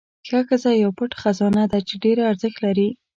ښه ښځه یو پټ خزانه ده چې ډېره ارزښت لري.